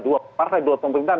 dua partai dua pemerintahan